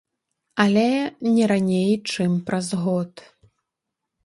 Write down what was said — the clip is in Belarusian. Але не раней чым праз год.